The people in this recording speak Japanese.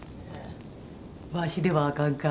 わしではあかんか？